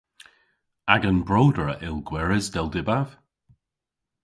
Agan broder a yll gweres, dell dybav.